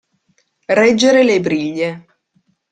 Reggere le briglie.